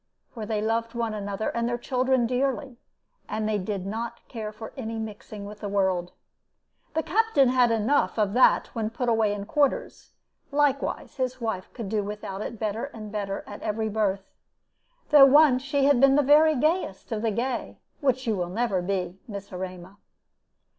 For they loved one another and their children dearly, and they did not care for any mixing with the world. The Captain had enough of that when put away in quarters; likewise his wife could do without it better and better at every birth, though once she had been the very gayest of the gay, which you never will be, Miss Erema.